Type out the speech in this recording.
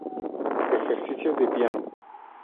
Ejercicios para piano.